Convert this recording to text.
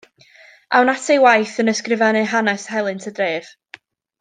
Awn at ei waith yn ysgrifennu hanes helynt y dref.